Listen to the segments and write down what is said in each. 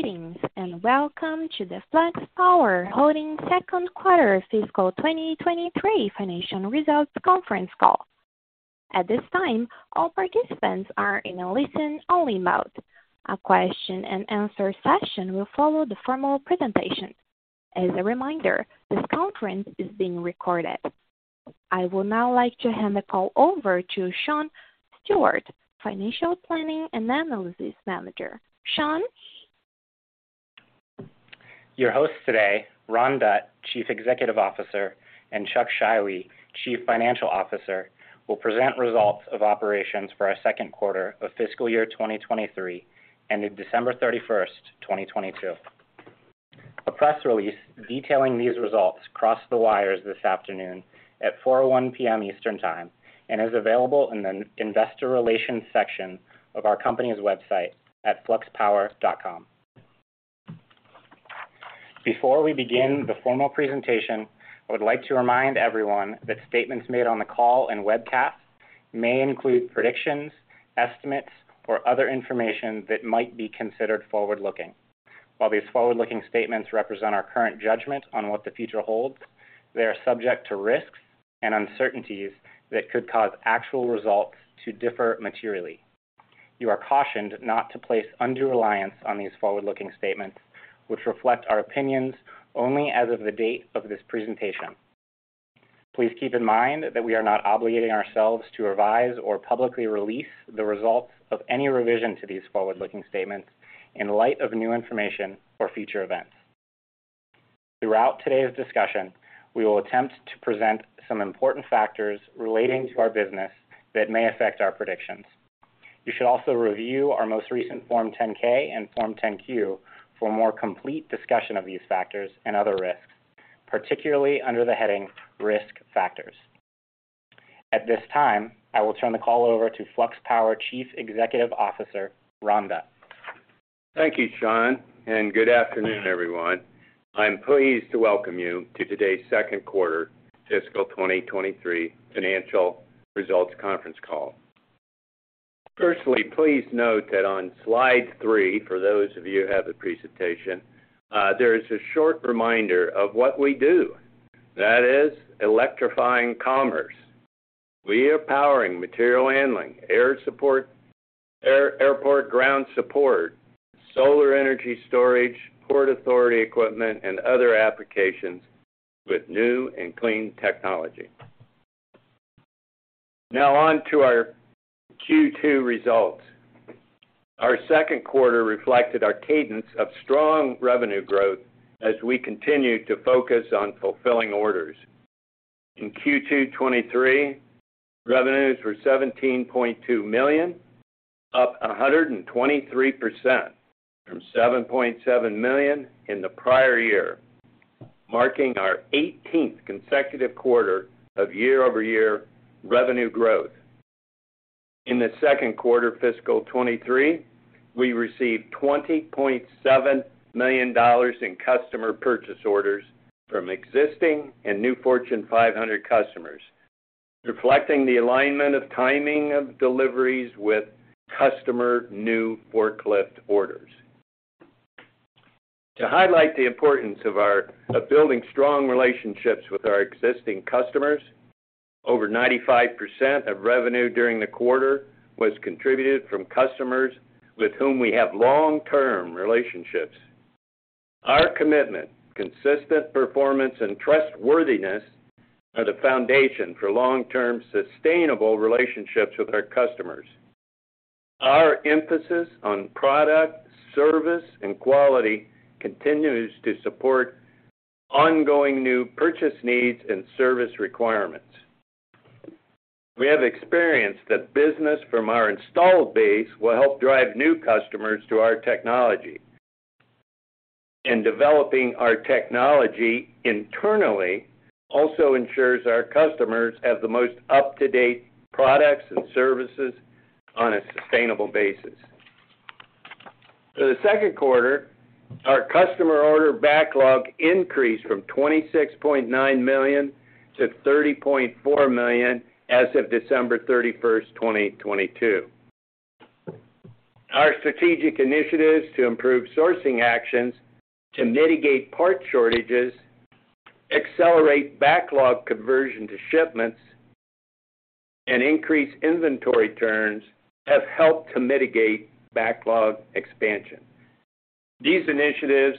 Greetings, and welcome to the Flux Power Holdings Second Quarter Fiscal 2023 Financial Results Conference Call. At this time, all participants are in a listen-only mode. A question-and-answer session will follow the formal presentation. As a reminder, this conference is being recorded. I would now like to hand the call over to Sean Stewart, Financial Planning and Analysis Manager. Sean. Your host today, Ron Dutt, Chief Executive Officer, and Chuck Scheiwe, Chief Financial Officer, will present results of operations for our second quarter of fiscal year 2023 ended December 31, 2022. A press release detailing these results crossed the wires this afternoon at 4:01 P.M. Eastern Time and is available in the investor relations section of our company's website at fluxpower.com. Before we begin the formal presentation, I would like to remind everyone that statements made on the call and webcast may include predictions, estimates, or other information that might be considered forward-looking. While these forward-looking statements represent our current judgment on what the future holds, they are subject to risks and uncertainties that could cause actual results to differ materially. You are cautioned not to place undue reliance on these forward-looking statements, which reflect our opinions only as of the date of this presentation. Please keep in mind that we are not obligating ourselves to revise or publicly release the results of any revision to these forward-looking statements in light of new information or future events. Throughout today's discussion, we will attempt to present some important factors relating to our business that may affect our predictions. You should also review our most recent Form 10-K and Form 10-Q for a more complete discussion of these factors and other risks, particularly under the heading Risk Factors. At this time, I will turn the call over to Flux Power Chief Executive Officer, Ron Dutt. Thank you, Sean. Good afternoon, everyone. I'm pleased to welcome you to today's second quarter fiscal 2023 financial results conference call. Firstly, please note that on slide three, for those of you who have the presentation, there is a short reminder of what we do. That is electrifying commerce. We are powering material handling, air support, airport ground support, solar energy storage, port authority equipment, and other applications with new and clean technology. Now on to our Q2 results. Our second quarter reflected our cadence of strong revenue growth as we continued to focus on fulfilling orders. In Q2 2023, revenues were $17.2 million, up 123% from $7.7 million in the prior year, marking our 18th consecutive quarter of year-over-year revenue growth. In the second quarter fiscal 2023, we received $20.7 million in customer purchase orders from existing and new Fortune 500 customers, reflecting the alignment of timing of deliveries with customer new forklift orders. To highlight the importance of building strong relationships with our existing customers, over 95% of revenue during the quarter was contributed from customers with whom we have long-term relationships. Our commitment, consistent performance, and trustworthiness are the foundation for long-term sustainable relationships with our customers. Our emphasis on product, service, and quality continues to support ongoing new purchase needs and service requirements. We have experienced that business from our installed base will help drive new customers to our technology. Developing our technology internally also ensures our customers have the most up-to-date products and services on a sustainable basis. For the second quarter, our customer order backlog increased from $26.9 million-$30.4 million as of December 31, 2022. Our strategic initiatives to improve sourcing actions to mitigate part shortages, accelerate backlog conversion to shipments, and increase inventory turns have helped to mitigate backlog expansion. These initiatives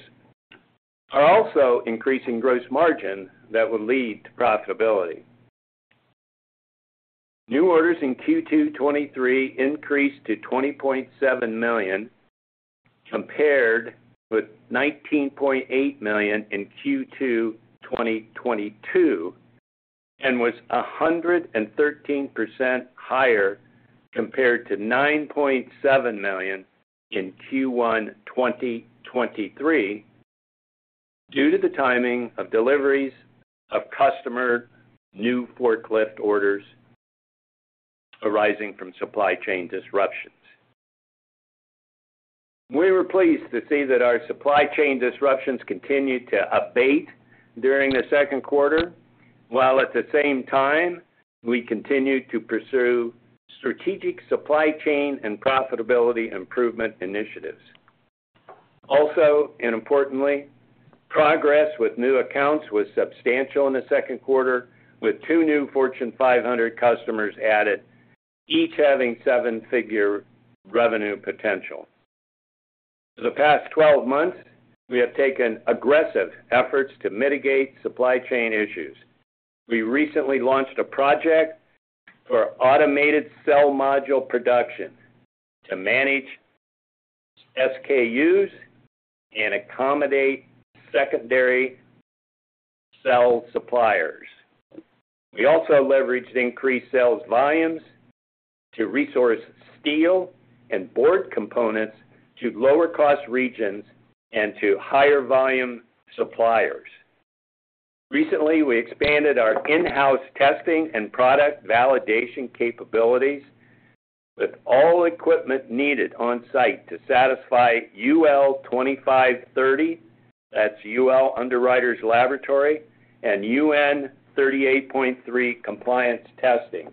are also increasing gross margin that will lead to profitability. New orders in Q2 2023 increased to $20.7 million, compared with $19.8 million in Q2 2022, and was 113% higher compared to $9.7 million in Q1 2023, due to the timing of deliveries of customer new forklift orders arising from supply chain disruptions. We were pleased to see that our supply chain disruptions continued to abate during the second quarter. At the same time, we continued to pursue strategic supply chain and profitability improvement initiatives. Also, and importantly, progress with new accounts was substantial in the second quarter, with two new Fortune 500 customers added, each having seven-figure revenue potential. For the past 12 months, we have taken aggressive efforts to mitigate supply chain issues. We recently launched a project for automated cell module production to manage SKUs and accommodate secondary cell suppliers. We also leveraged increased sales volumes to resource steel and board components to lower cost regions and to higher volume suppliers. Recently, we expanded our in-house testing and product validation capabilities with all equipment needed on site to satisfy UL 2580, that's UL, Underwriters Laboratory, and UN 38.3 compliance testing,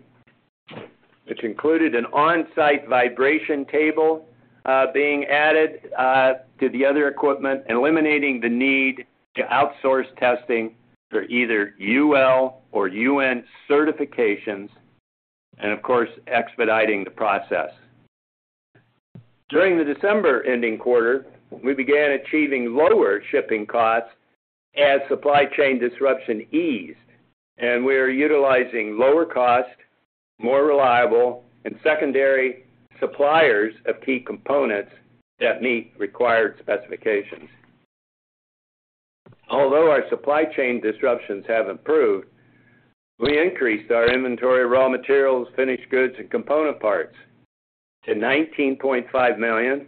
which included an on-site vibration table being added to the other equipment, eliminating the need to outsource testing for either UL or UN certifications, and of course, expediting the process. During the December-ending quarter, we began achieving lower shipping costs as supply chain disruption eased, and we are utilizing lower cost, more reliable and secondary suppliers of key components that meet required specifications. Although our supply chain disruptions have improved, we increased our inventory, raw materials, finished goods and component parts to $19.5 million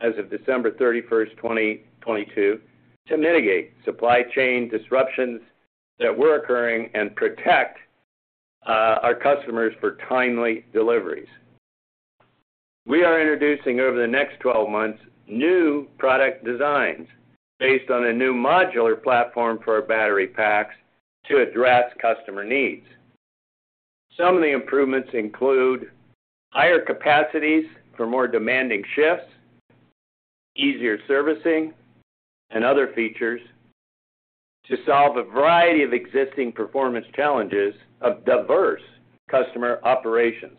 as of December 31, 2022, to mitigate supply chain disruptions that were occurring and protect our customers for timely deliveries. We are introducing over the next 12 months, new product designs based on a new modular platform for our battery packs to address customer needs. Some of the improvements include higher capacities for more demanding shifts, easier servicing and other features to solve a variety of existing performance challenges of diverse customer operations.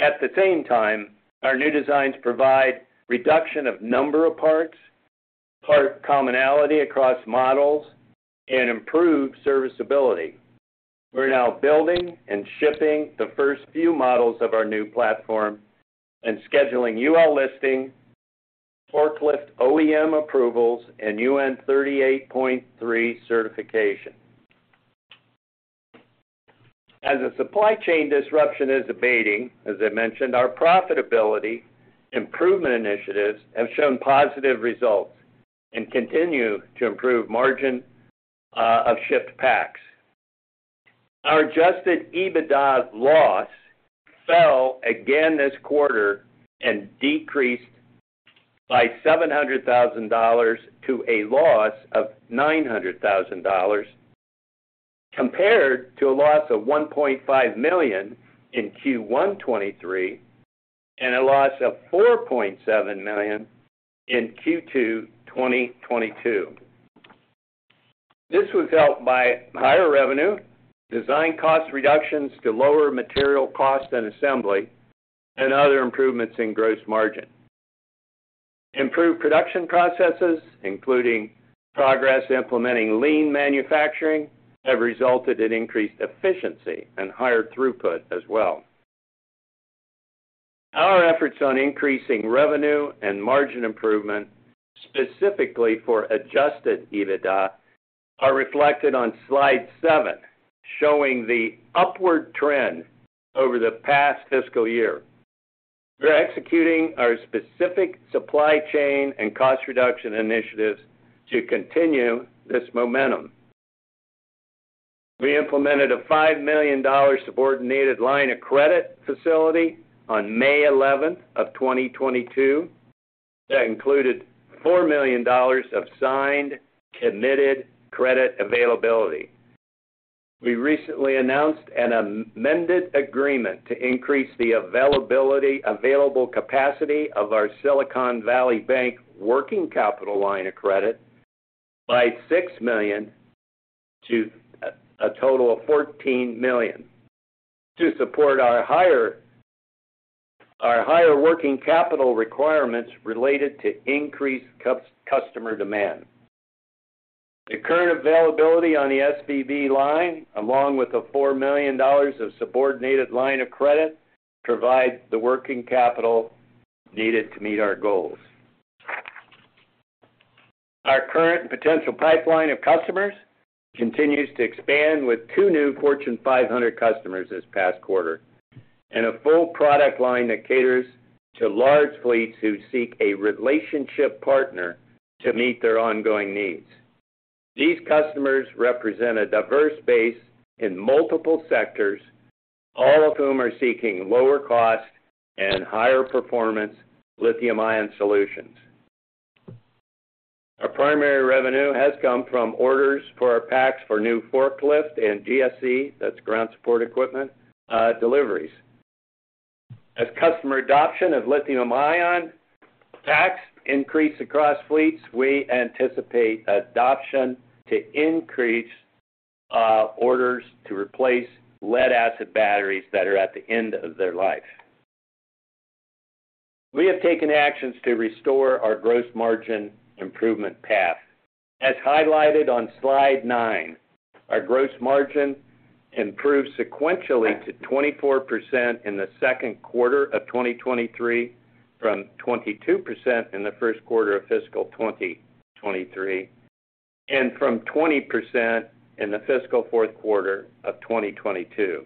At the same time, our new designs provide reduction of number of parts, part commonality across models and improved serviceability. We're now building and shipping the first few models of our new platform and scheduling UL listing, forklift OEM approvals and UN 38.3 certification. As the supply chain disruption is abating, as I mentioned, our profitability improvement initiatives have shown positive results and continue to improve margin of shipped packs. Our adjusted EBITDA loss fell again this quarter and decreased by $700,000 to a loss of $900,000, compared to a loss of $1.5 million in Q1 2023 and a loss of $4.7 million in Q2 2022. This was helped by higher revenue, design cost reductions to lower material cost and assembly, and other improvements in gross margin. Improved production processes, including progress implementing Lean Manufacturing, have resulted in increased efficiency and higher throughput as well. Our efforts on increasing revenue and margin improvement, specifically for adjusted EBITDA, are reflected on slide seven, showing the upward trend over the past fiscal year. We're executing our specific supply chain and cost reduction initiatives to continue this momentum. We implemented a $5 million subordinated line of credit facility on May 11, 2022. That included $4 million of signed, committed credit availability. We recently announced an amended agreement to increase the available capacity of our Silicon Valley Bank working capital line of credit by $6 million to a total of $14 million to support our higher working capital requirements related to increased customer demand. The current availability on the SVB line, along with the $4 million of subordinated line of credit, provide the working capital needed to meet our goals. Our current potential pipeline of customers continues to expand with two new Fortune 500 customers this past quarter and a full product line that caters to large fleets who seek a relationship partner to meet their ongoing needs. These customers represent a diverse base in multiple sectors, all of whom are seeking lower cost and higher performance lithium-ion solutions. Our primary revenue has come from orders for our packs for new forklift and GSE, that's ground support equipment, deliveries. As customer adoption of lithium-ion packs increase across fleets, we anticipate adoption to increase, orders to replace lead acid batteries that are at the end of their life. We have taken actions to restore our gross margin improvement path. As highlighted on slide nine, our gross margin improved sequentially to 24% in the second quarter of 2023, from 22% in the first quarter of fiscal 2023, and from 20% in the fiscal fourth quarter of 2022.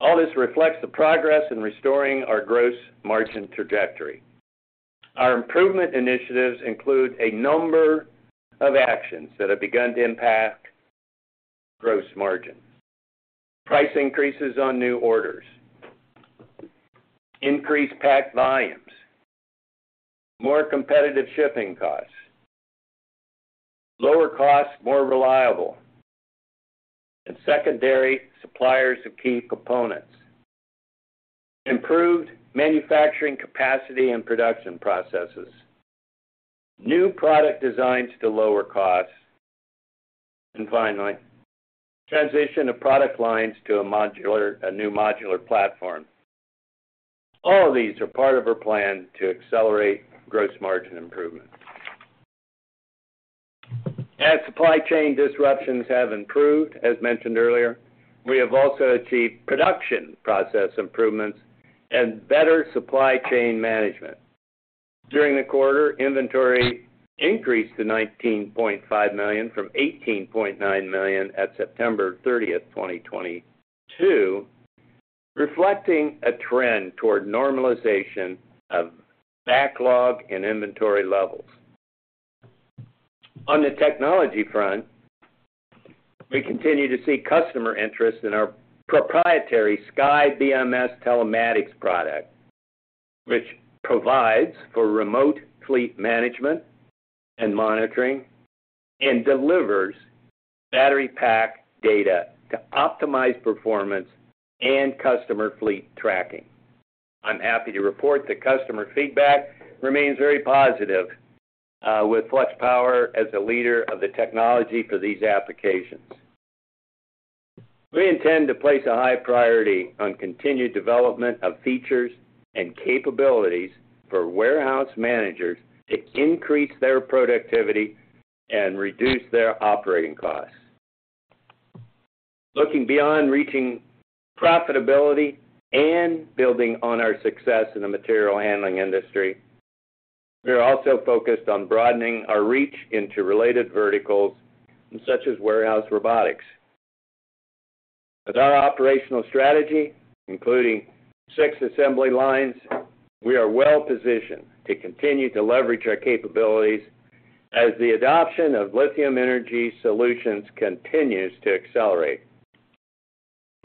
All this reflects the progress in restoring our gross margin trajectory. Our improvement initiatives include a number of actions that have begun to impact gross margin. Price increases on new orders, increased pack volumes, more competitive shipping costs, lower costs, more reliable, and secondary suppliers of key components, improved manufacturing capacity and production processes, new product designs to lower costs, and finally, transition of product lines to a new modular platform. All of these are part of our plan to accelerate gross margin improvement. As supply chain disruptions have improved, as mentioned earlier, we have also achieved production process improvements and better supply chain management. During the quarter, inventory increased to $19.5 million from $18.9 million at September 30, 2022, reflecting a trend toward normalization of backlog and inventory levels. On the technology front, we continue to see customer interest in our proprietary SkyBMS Telematics product, which provides for remote fleet management and monitoring, and delivers battery pack data to optimize performance and customer fleet tracking. I'm happy to report that customer feedback remains very positive, with Flux Power as the leader of the technology for these applications. We intend to place a high priority on continued development of features and capabilities for warehouse managers to increase their productivity and reduce their operating costs. Looking beyond reaching profitability and building on our success in the material handling industry, we are also focused on broadening our reach into related verticals, such as warehouse robotics. With our operational strategy, including six assembly lines, we are well positioned to continue to leverage our capabilities as the adoption of lithium energy solutions continues to accelerate.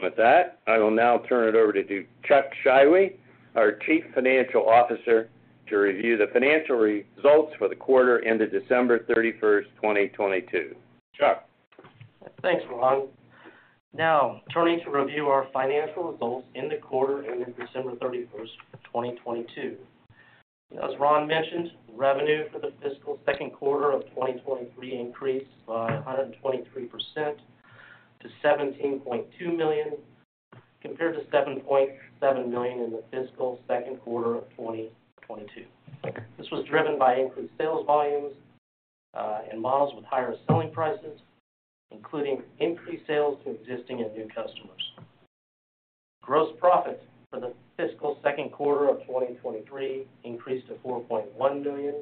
With that, I will now turn it over to Chuck Scheiwe, our Chief Financial Officer, to review the financial results for the quarter ended December 31, 2022. Chuck. Thanks, Ron. Now, turning to review our financial results in the quarter ended December 31, 2022. As Ron mentioned, revenue for the fiscal second quarter of 2023 increased by 123% to $17.2 million, compared to $7.7 million in the fiscal second quarter of 2022. This was driven by increased sales volumes, and models with higher selling prices, including increased sales to existing and new customers. Gross profit for the fiscal second quarter of 2023 increased to $4.1 million.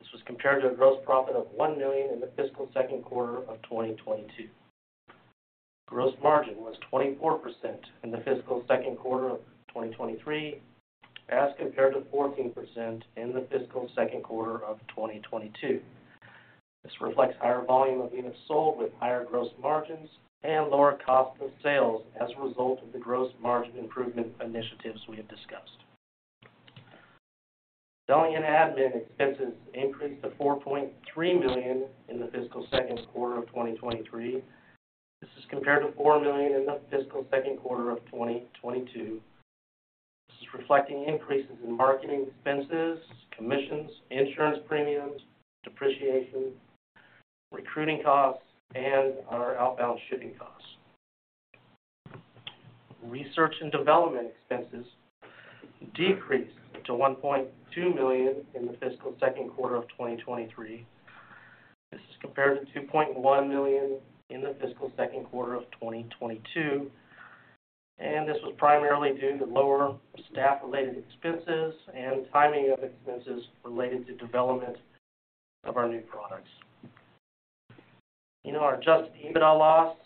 This was compared to a gross profit of $1 million in the fiscal second quarter of 2022. Gross margin was 24% in the fiscal second quarter of 2023, as compared to 14% in the fiscal second quarter of 2022. This reflects higher volume of units sold with higher gross margins and lower cost of sales as a result of the gross margin improvement initiatives we have discussed. Selling and admin expenses increased to $4.3 million in the fiscal second quarter of 2023. This is compared to $4 million in the fiscal second quarter of 2022. This is reflecting increases in marketing expenses, commissions, insurance premiums, depreciation, recruiting costs, and our outbound shipping costs. Research and development expenses decreased to $1.2 million in the fiscal second quarter of 2023. This is compared to $2.1 million in the fiscal second quarter of 2022. This was primarily due to lower staff-related expenses and timing of expenses related to development of our new products. You know, our adjusted EBITDA loss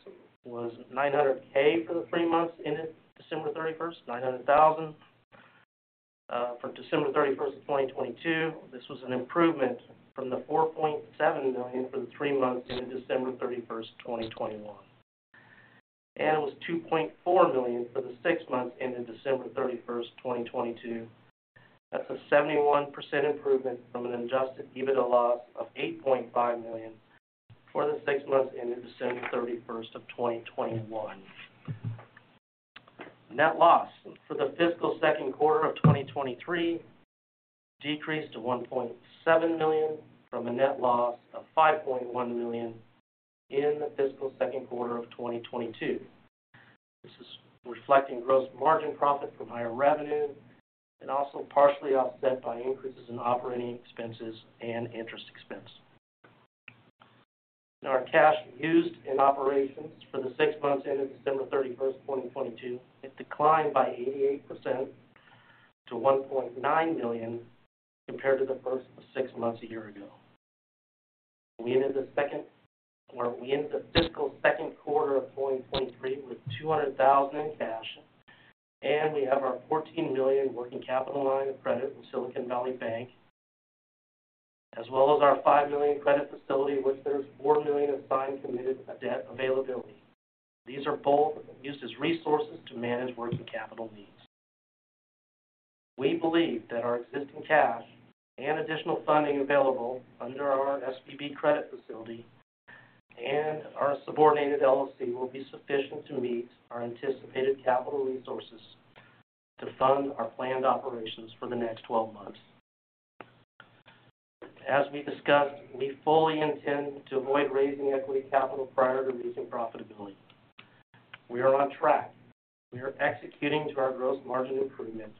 was $900,000 for the 3 months ended December 31, 2022. This was an improvement from the $4.7 million for the 3 months ended December 31, 2021. Was $2.4 million for the 6 months ended December 31, 2022. That's a 71% improvement from an adjusted EBITDA loss of $8.5 million for the 6 months ended December 31, 2021. Net loss for the fiscal second quarter of 2023 decreased to $1.7 million from a net loss of $5.1 million in the fiscal second quarter of 2022. This is reflecting gross margin profit from higher revenue and also partially offset by increases in operating expenses and interest expense. Our cash used in operations for the six months ended December 31, 2022, it declined by 88% to $1.9 million compared to the first six months a year ago. We ended the fiscal second quarter of 2023 with $200,000 in cash, and we have our $14 million working capital line of credit with Silicon Valley Bank, as well as our $5 million credit facility, which there's $4 million assigned committed debt availability. These are both used as resources to manage working capital needs. We believe that our existing cash and additional funding available under our SVB credit facility and our subordinated note will be sufficient to meet our anticipated capital resources to fund our planned operations for the next 12 months. As we discussed, we fully intend to avoid raising equity capital prior to reaching profitability. We are on track. We are executing to our gross margin improvement,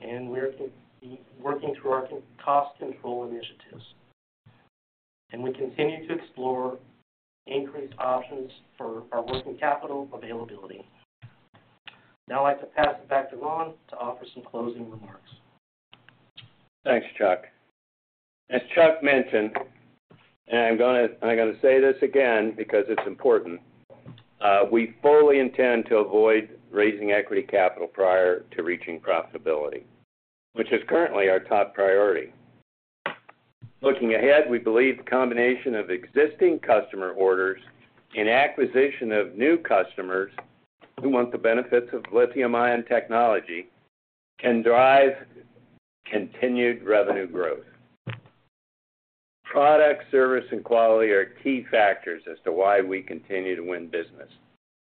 and we are working through our cost control initiatives. We continue to explore increased options for our working capital availability. Now I'd like to pass it back to Ron to offer some closing remarks. Thanks, Chuck. As Chuck mentioned, I'm gonna say this again because it's important, we fully intend to avoid raising equity capital prior to reaching profitability, which is currently our top priority. Looking ahead, we believe the combination of existing customer orders and acquisition of new customers who want the benefits of lithium-ion technology can drive continued revenue growth. Product, service, and quality are key factors as to why we continue to win business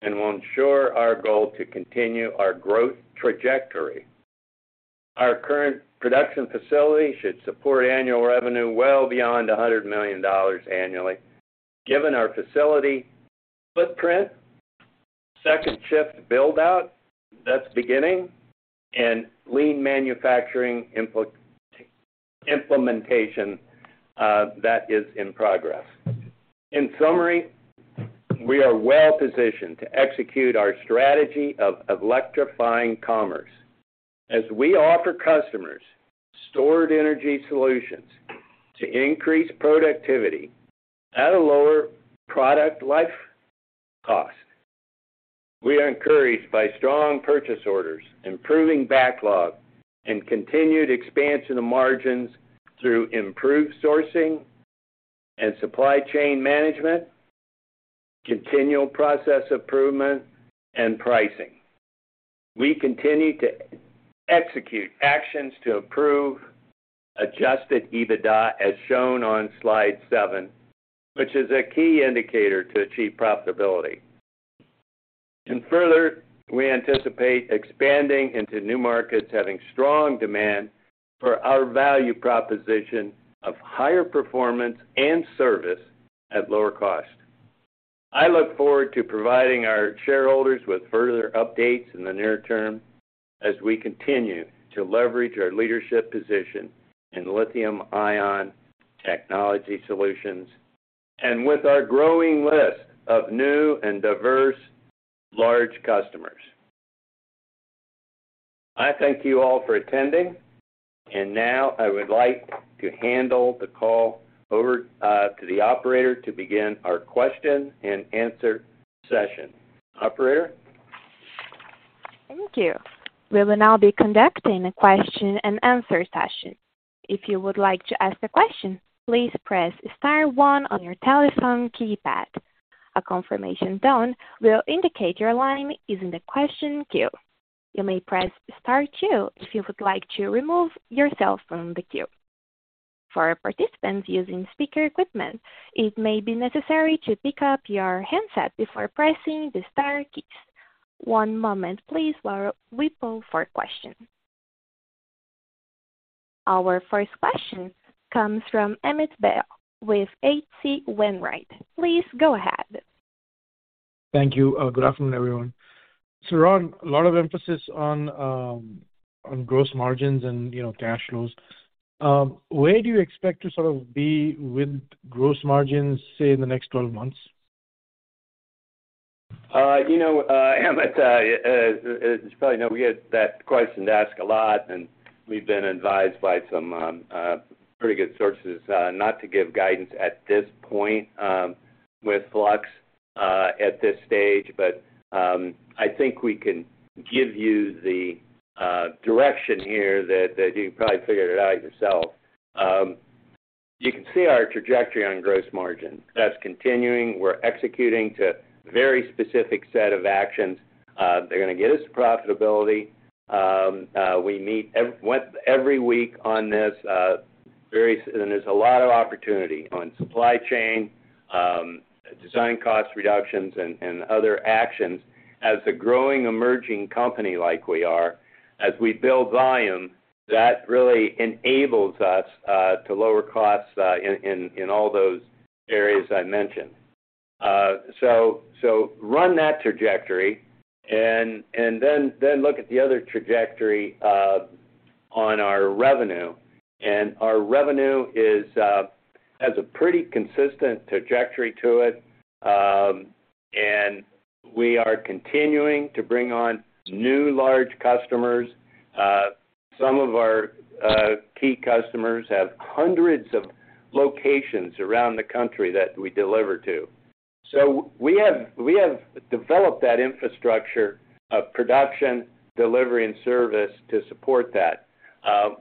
and will ensure our goal to continue our growth trajectory. Our current production facility should support annual revenue well beyond $100 million annually, given our facility footprint, second shift build-out that's beginning, and Lean Manufacturing implementation that is in progress. In summary, we are well positioned to execute our strategy of electrifying commerce as we offer customers stored energy solutions to increase productivity at a lower product life cost. We are encouraged by strong purchase orders, improving backlog, and continued expansion of margins through improved sourcing and supply chain management, continual process improvement, and pricing. We continue to execute actions to improve adjusted EBITDA as shown on slide seven, which is a key indicator to achieve profitability. Further, we anticipate expanding into new markets having strong demand for our value proposition of higher performance and service at lower cost. I look forward to providing our shareholders with further updates in the near term as we continue to leverage our leadership position in lithium-ion technology solutions and with our growing list of new and diverse large customers. I thank you all for attending. Now I would like to handle the call over to the operator to begin our question and answer session. Operator? Thank you. We will now be conducting a question and answer session. If you would like to ask a question, please press star one on your telephone keypad. A confirmation tone will indicate your line is in the question queue. You may press star two if you would like to remove yourself from the queue. For participants using speaker equipment, it may be necessary to pick up your handset before pressing the star keys. One moment please while we pull for questions. Our first question comes from Amit Dayal with H.C. Wainwright. Please go ahead. Thank you. Good afternoon, everyone. Ron, a lot of emphasis on gross margins and, you know, cash flows. Where do you expect to sort of be with gross margins, say, in the next 12 months? You know, Amit, as you probably know, we get that question asked a lot, and we've been advised by some pretty good sources not to give guidance at this point with Flux at this stage. I think we can give you the direction here that you probably figured it out yourself. You can see our trajectory on gross margin that's continuing. We're executing to very specific set of actions. They're gonna get us profitability. We meet every week on this. There's a lot of opportunity on supply chain, design cost reductions, and other actions. As a growing, emerging company like we are, as we build volume, that really enables us to lower costs in all those areas I mentioned. Run that trajectory and then look at the other trajectory on our revenue. Our revenue is has a pretty consistent trajectory to it. We are continuing to bring on new large customers. Some of our key customers have hundreds of locations around the country that we deliver to. We have developed that infrastructure of production, delivery, and service to support that.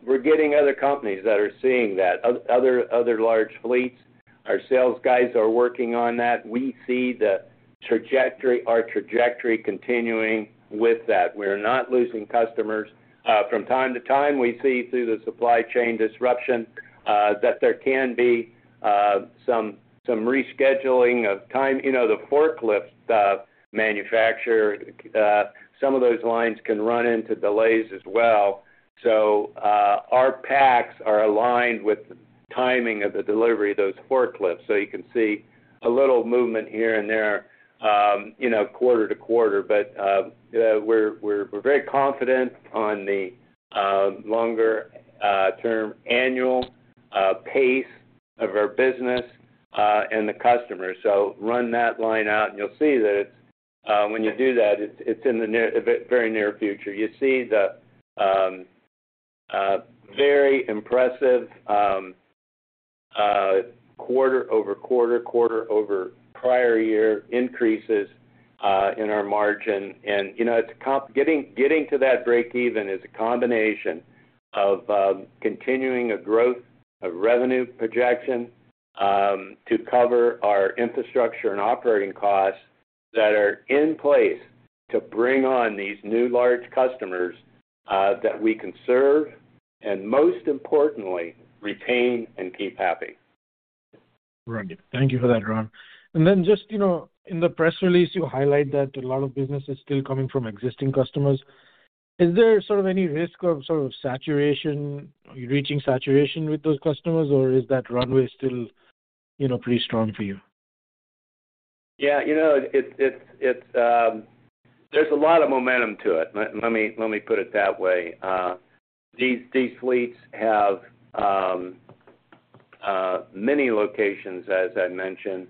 We're getting other companies that are seeing that, other large fleets. Our sales guys are working on that. We see the trajectory, our trajectory continuing with that. We're not losing customers. From time to time, we see through the supply chain disruption that there can be some rescheduling of time. You know, the forklift manufacturer some of those lines can run into delays as well. Our packs are aligned with the timing of the delivery of those forklifts. You can see a little movement here and there, you know, quarter-to-quarter. We're very confident on the longer term annual pace of our business and the customer. Run that line out and you'll see that it's when you do that, it's in the near, the very near future. You see the very impressive quarter-over-quarter, quarter-over-prior-year increases in our margin. You know. Getting to that break even is a combination of continuing a growth of revenue projection to cover our infrastructure and operating costs that are in place to bring on these new large customers that we can serve, and most importantly, retain and keep happy. Right. Thank you for that, Ron. Then just, you know, in the press release, you highlight that a lot of business is still coming from existing customers. Is there sort of any risk of sort of saturation, are you reaching saturation with those customers, or is that runway still, you know, pretty strong for you? Yeah. You know, there's a lot of momentum to it. Let me put it that way. These fleets have many locations, as I mentioned.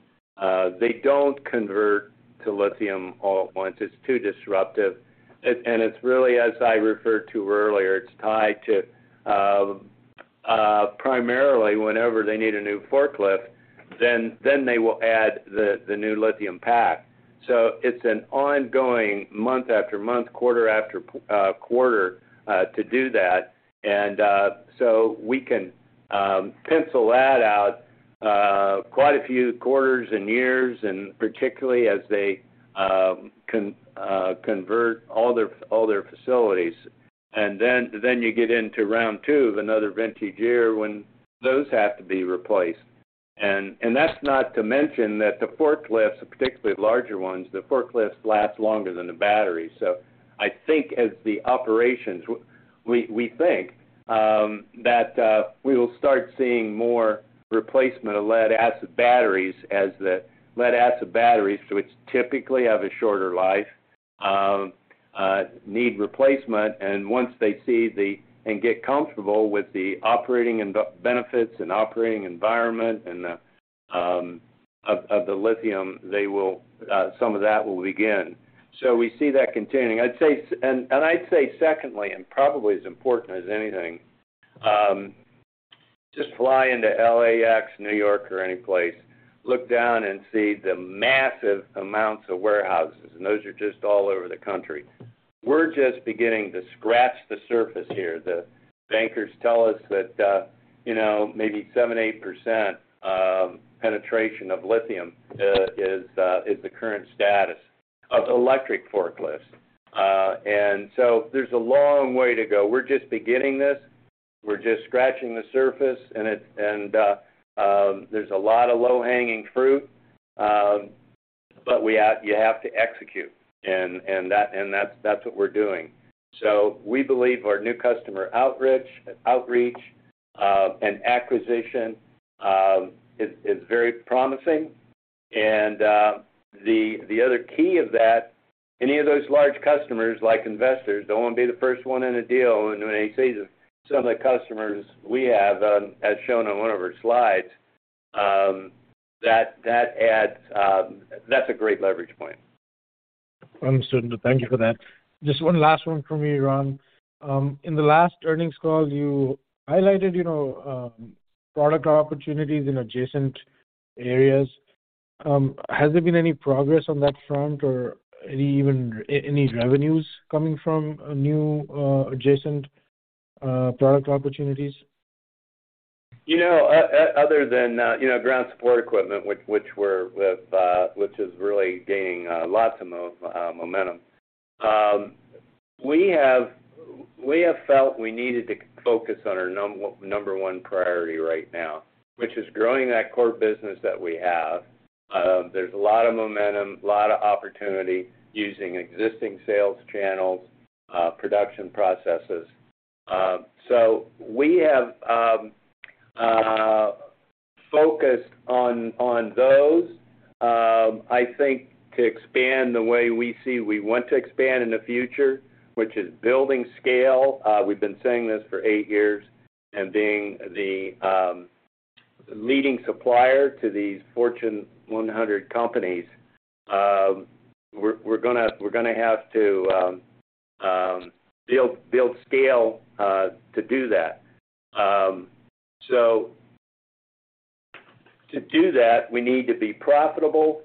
They don't convert to lithium all at once. It's too disruptive. And it's really, as I referred to earlier, it's tied to primarily whenever they need a new forklift, then they will add the new lithium pack. It's an ongoing, month after month, quarter after quarter to do that. We can pencil that out quite a few quarters and years, and particularly as they convert all their facilities. Then you get into round two of another vintage year when those have to be replaced. That's not to mention that the forklifts, particularly the larger ones, the forklifts last longer than the battery. I think as the operations, we think that we will start seeing more replacement of lead-acid batteries as the lead-acid batteries, which typically have a shorter life, need replacement. Once they see the, and get comfortable with the operating and the benefits and operating environment and the of the lithium, they will some of that will begin. We see that continuing. I'd say secondly, and probably as important as anything, just fly into LAX, New York, or any place, look down and see the massive amounts of warehouses, and those are just all over the country. We're just beginning to scratch the surface here. The bankers tell us that, you know, maybe 7%-8% penetration of lithium is the current status of electric forklifts. There's a long way to go. We're just beginning this. We're just scratching the surface, there's a lot of low-hanging fruit, you have to execute, and that's what we're doing. We believe our new customer outreach and acquisition is very promising. The other key of that, any of those large customers, like investors, don't wanna be the first one in a deal when they see some of the customers we have, as shown on one of our slides, that adds, that's a great leverage point. Understood. Thank you for that. Just one last one from me, Ron. In the last earnings call, you know, product opportunities in adjacent areas. Has there been any progress on that front or any revenues coming from new, adjacent, product opportunities? You know, other than, you know, ground support equipment, which we're with, which is really gaining lots of momentum, we have felt we needed to focus on our number one priority right now, which is growing that core business that we have. There's a lot of momentum, a lot of opportunity using existing sales channels, production processes. So we have focused on those, I think to expand the way we see we want to expand in the future, which is building scale. We've been saying this for eight years and being the leading supplier to these Fortune 100 companies. We're gonna have to build scale to do that. So to do that, we need to be profitable.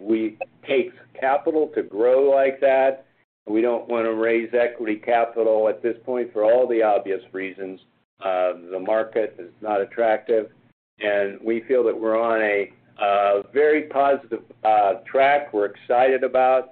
We take capital to grow like that. We don't wanna raise equity capital at this point for all the obvious reasons. The market is not attractive, and we feel that we're on a very positive track we're excited about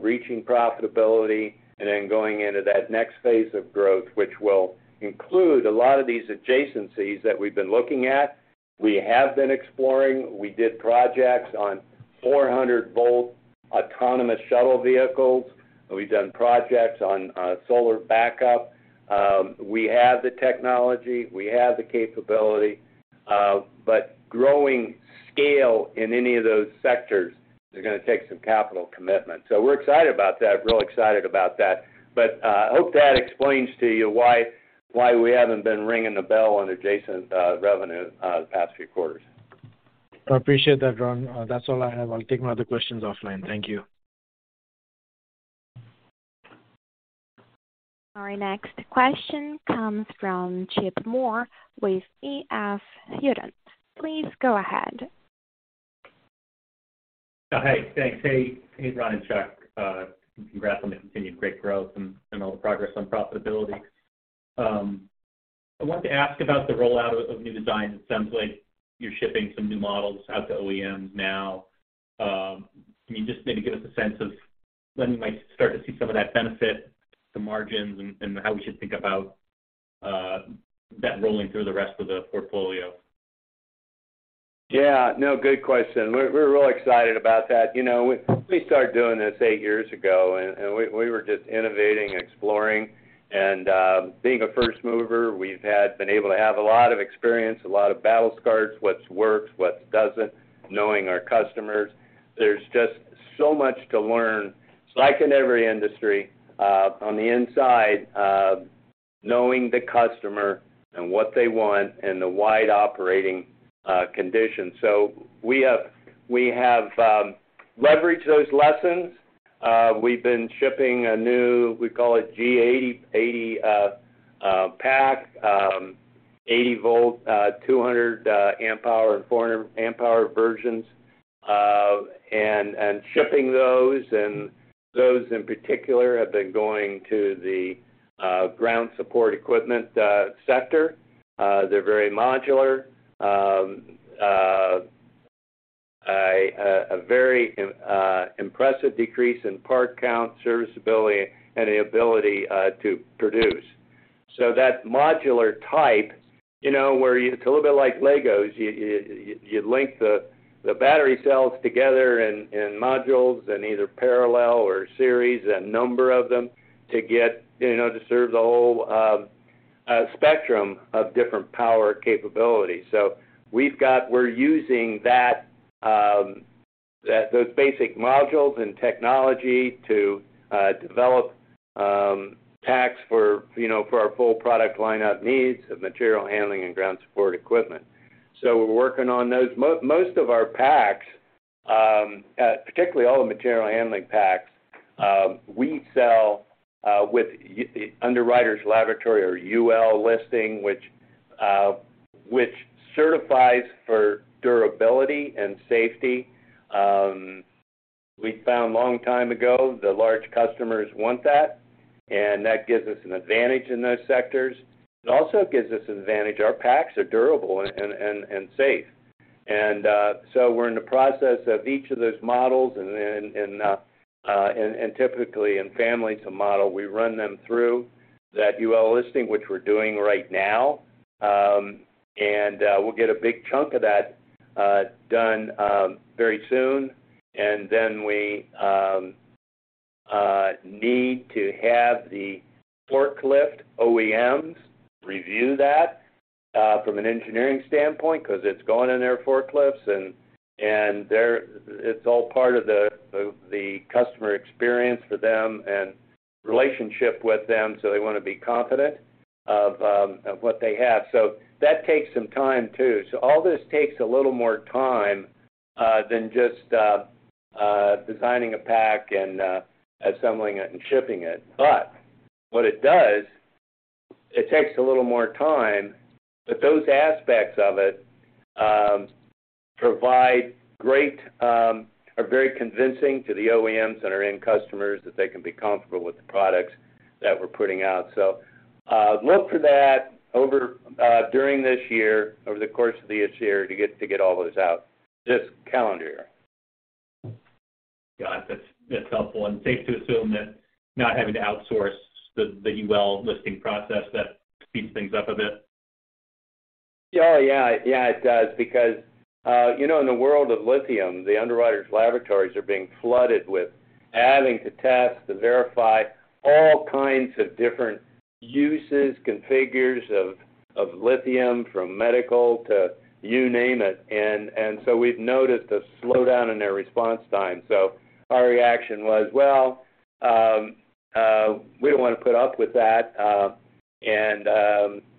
reaching profitability and then going into that next phase of growth, which will include a lot of these adjacencies that we've been looking at. We have been exploring. We did projects on 400 volt autonomous shuttle vehicles. We've done projects on solar backup. We have the technology, we have the capability, but growing scale in any of those sectors is gonna take some capital commitment. We're excited about that, real excited about that. I hope that explains to you why we haven't been ringing the bell on adjacent revenue the past few quarters. I appreciate that, Ron. That's all I have. I'll take my other questions offline. Thank you. Our next question comes from Chip Moore with EF Hutton. Please go ahead. Hey, thanks. Hey, Ron and Chuck. Congrats on the continued great growth and all the progress on profitability. I wanted to ask about the rollout of new designs. It sounds like you're shipping some new models out to OEMs now. Can you just maybe give us a sense of when we might start to see some of that benefit to margins and how we should think about that rolling through the rest of the portfolio? Yeah. No, good question. We're really excited about that. You know, we started doing this eight years ago, and we were just innovating, exploring, and being a first mover, we've been able to have a lot of experience, a lot of battle scars, what's worked, what doesn't, knowing our customers. There's just so much to learn, like in every industry, on the inside, knowing the customer and what they want and the wide operating conditions. We have leveraged those lessons. We've been shipping a new, we call it G80 pack, 80 volt, 200 amp hour and 400 amp hour versions, and shipping those, and those in particular have been going to the ground support equipment sector. They're very modular, a very impressive decrease in part count serviceability and the ability to produce. That modular type, you know, where you It's a little bit like Legos. You link the battery cells together in modules and either parallel or series a number of them to get, you know, to serve the whole spectrum of different power capabilities. We're using that, those basic modules and technology to develop packs for, you know, for our full product lineup needs of material handling and ground support equipment. We're working on those. Most of our packs, particularly all the material handling packs, we sell with Underwriters Laboratories or UL listing, which certifies for durability and safety. We found a long time ago, the large customers want that, and that gives us an advantage in those sectors. It also gives us an advantage, our packs are durable and safe. So we're in the process of each of those models and typically in families of model, we run them through that UL listing, which we're doing right now. We'll get a big chunk of that done very soon. Then we need to have the forklift OEMs review that from an engineering standpoint because it's going in their forklifts, and it's all part of the customer experience for them and relationship with them, so they wanna be confident of what they have. That takes some time too. All this takes a little more time than just designing a pack and assembling it and shipping it. It takes a little more time, but those aspects of it provide great are very convincing to the OEMs and our end customers that they can be comfortable with the products that we're putting out. Look for that over during this year, over the course of this year to get all those out. This calendar year. Got it. That's helpful. Safe to assume that not having to outsource the UL listing process, that speeds things up a bit. Oh, yeah. Yeah, it does. Because, you know, in the world of lithium, the Underwriters Laboratories are being flooded with adding to tests to verify all kinds of different uses, configures of lithium, from medical to you name it. We've noticed a slowdown in their response time. Our reaction was, well, we don't wanna put up with that, and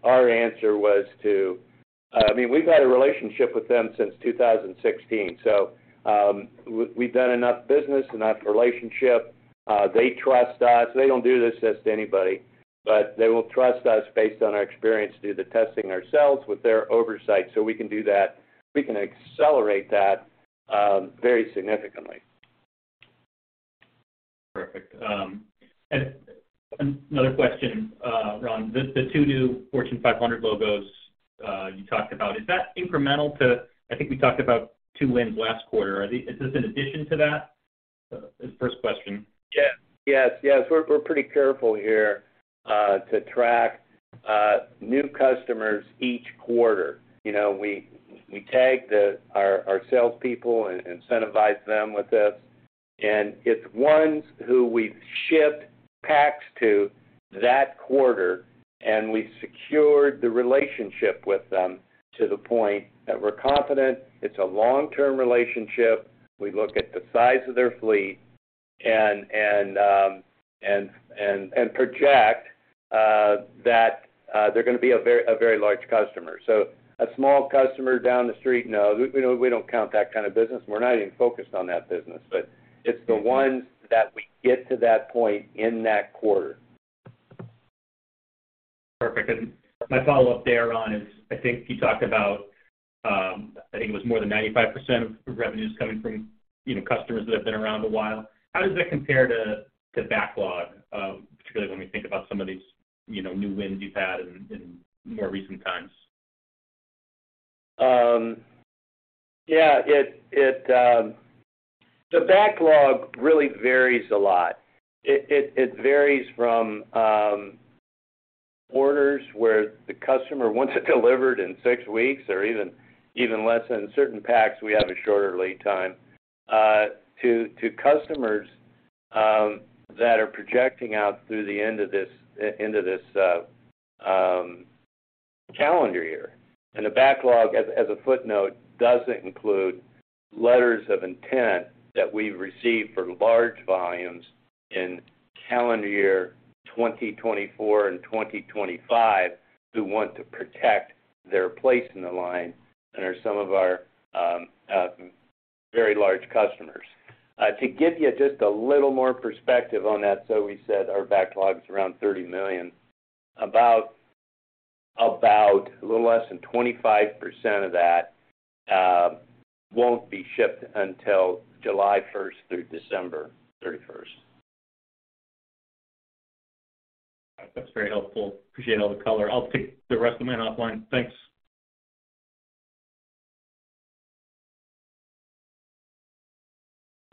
our answer was to... I mean, we've had a relationship with them since 2016, so we've done enough business, enough relationship, they trust us. They don't do this just to anybody, but they will trust us based on our experience to do the testing ourselves with their oversight. We can do that. We can accelerate that very significantly. Perfect. Another question, Ron. The two new Fortune 500 logos, you talked about, is that incremental to... I think we talked about two wins last quarter? Is this in addition to that? First question. Yes. Yes, we're pretty careful here to track new customers each quarter. You know, we tag the our salespeople and incentivize them with this. It's ones who we've shipped packs to that quarter, and we've secured the relationship with them to the point that we're confident it's a long-term relationship. We look at the size of their fleet and project that they're gonna be a very large customer. A small customer down the street, no, we don't count that kind of business. We're not even focused on that business. It's the ones that we get to that point in that quarter. Perfect. My follow-up there, Ron, is, I think you talked about, I think it was more than 95% of revenues coming from, you know, customers that have been around a while. How does that compare to backlog, particularly when we think about some of these, you know, new wins you've had in more recent times? Yeah. The backlog really varies a lot. It varies from orders where the customer wants it delivered in six weeks or even less than certain packs, we have a shorter lead time to customers that are projecting out through the end of this calendar year. The backlog, as a footnote, doesn't include letters of intent that we've received for large volumes in calendar year 2024 and 2025, who want to protect their place in the line and are some of our very large customers. To give you just a little more perspective on that, we said our backlog is around $30 million. About a little less than 25% of that won't be shipped until July 1st through December 31st. That's very helpful. Appreciate all the color. I'll take the rest of them in offline. Thanks.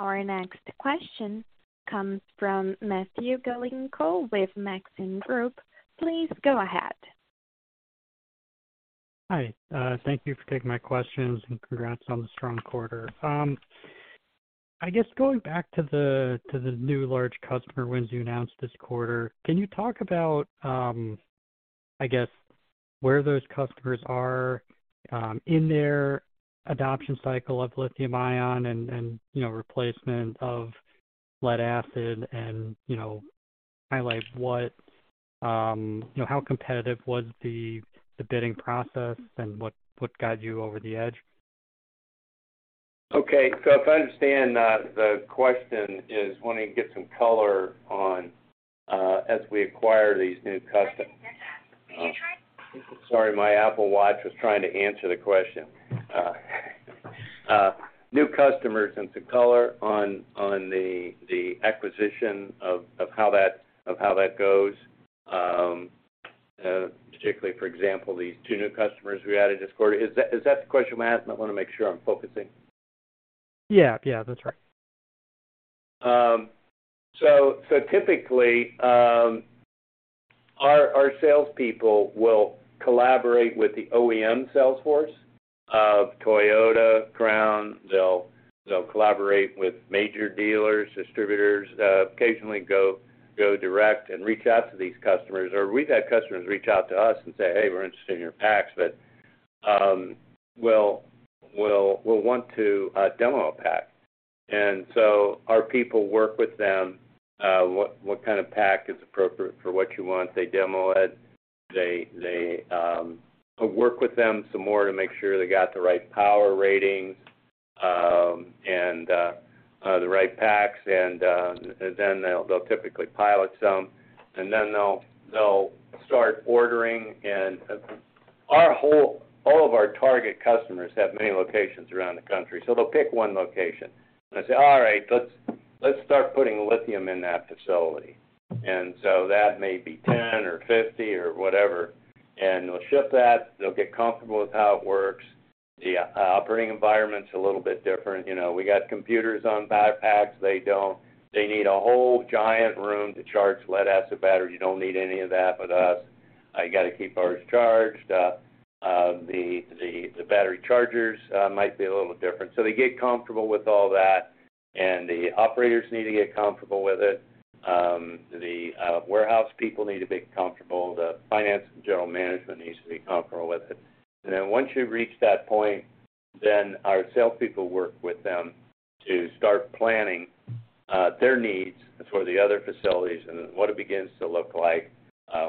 Our next question comes from Matthew Galinko with Maxim Group. Please go ahead. Hi. Thank you for taking my questions, and congrats on the strong quarter. I guess going back to the new large customer wins you announced this quarter, can you talk about, I guess, where those customers are, in their adoption cycle of lithium-ion and, you know, replacement of lead acid and, you know, highlight what, you know, how competitive was the bidding process and what got you over the edge? Okay. If I understand, the question is wanting to get some color on, as we acquire these new custom-. Sorry, did you try- Sorry, my Apple Watch was trying to answer the question. New customers and some color on the acquisition of how that goes, particularly, for example, these two new customers we added this quarter. Is that the question we're asking? I wanna make sure I'm focusing. Yeah. Yeah, that's right. So typically, our salespeople will collaborate with the OEM sales force of Toyota, Crown. They'll collaborate with major dealers, distributors, occasionally go direct and reach out to these customers. We've had customers reach out to us and say, "Hey, we're interested in your packs," but we'll want to demo a pack. Our people work with them, what kind of pack is appropriate for what you want. They demo it. They work with them some more to make sure they got the right power ratings. The right packs and then they'll typically pilot some, and then they'll start ordering. All of our target customers have many locations around the country, so they'll pick one location. They'll say, "All right. Let's start putting lithium in that facility. That may be 10 or 50 or whatever, and they'll ship that. They'll get comfortable with how it works. The operating environment's a little bit different. You know, we got computers on backpacks. They don't. They need a whole giant room to charge lead acid batteries. You don't need any of that with us. You gotta keep ours charged. The battery chargers might be a little different. They get comfortable with all that, and the operators need to get comfortable with it. The warehouse people need to be comfortable. The finance and general management needs to be comfortable with it. Once you've reached that point, then our sales people work with them to start planning, their needs for the other facilities and what it begins to look like,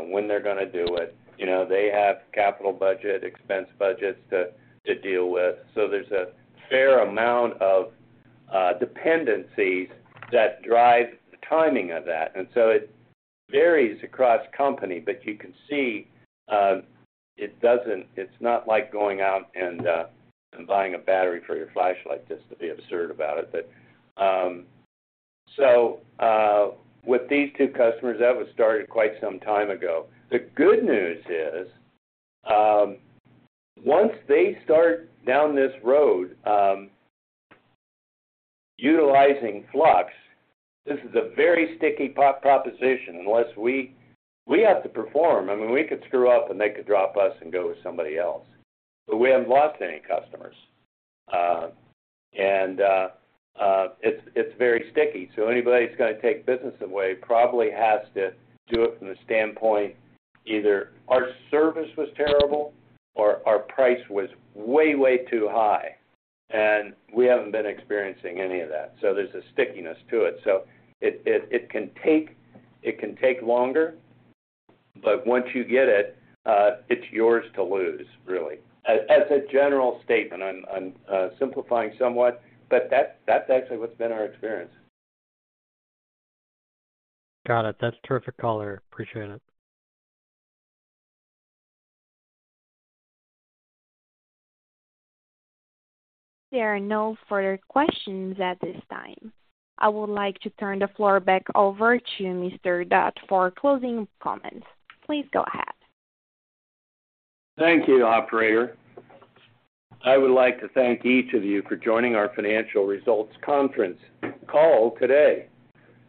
when they're gonna do it. You know, they have capital budget, expense budgets to deal with. There's a fair amount of dependencies that drive the timing of that. It varies across company, but you can see, It's not like going out and buying a battery for your flashlight, just to be absurd about it. With these two customers, that was started quite some time ago. The good news is, once they start down this road, utilizing Flux, this is a very sticky pro-proposition. Unless we have to perform. I mean, we could screw up, and they could drop us and go with somebody else, but we haven't lost any customers. it's very sticky, so anybody that's gonna take business away probably has to do it from the standpoint either our service was terrible or our price was way too high, and we haven't been experiencing any of that. There's a stickiness to it. It can take longer, but once you get it's yours to lose really. As a general statement, I'm simplifying somewhat, but that's actually what's been our experience. Got it. That's a terrific color. Appreciate it. There are no further questions at this time. I would like to turn the floor back over to Mr. Dutt for closing comments. Please go ahead. Thank you, operator. I would like to thank each of you for joining our financial results conference call today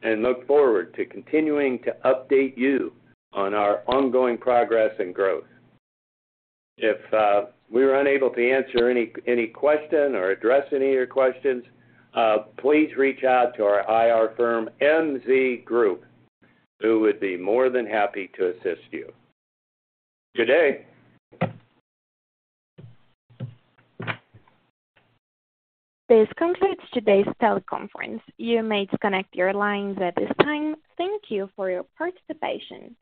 and look forward to continuing to update you on our ongoing progress and growth. If we were unable to answer any question or address any of your questions, please reach out to our IR firm, MZ Group, who would be more than happy to assist you. Good day. This concludes today's teleconference. You may disconnect your lines at this time. Thank you for your participation.